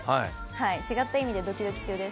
違った意味でドキドキ中です。